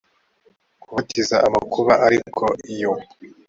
kubateza amakuba ariko iyo